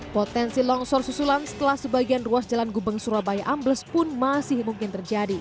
potensi longsor susulan setelah sebagian ruas jalan gubeng surabaya ambles pun masih mungkin terjadi